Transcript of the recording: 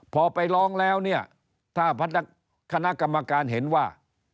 พอไปร้องแล้วเนี่ยถ้าคณะกรรมการเห็นว่า